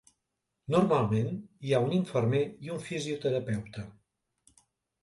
Normalment hi ha un infermer i un fisioterapeuta.